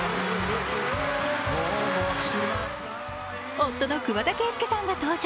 夫の桑田佳祐さんが登場。